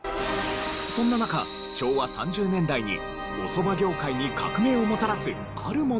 そんな中昭和３０年代にお蕎麦業界に革命をもたらすあるものが発明。